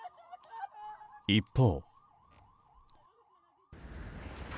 一方。